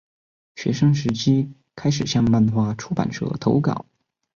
学生时期开始向漫画出版社投稿。